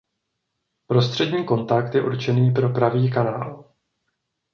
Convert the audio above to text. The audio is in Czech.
Prostřední kontakt je určený pro pravý kanál.